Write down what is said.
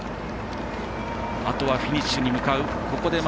あとはフィニッシュに向かう。